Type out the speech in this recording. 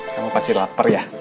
kamu pasti lapar ya